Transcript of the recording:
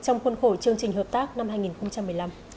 trong khuôn khổ chương trình hợp tác năm hai nghìn một mươi năm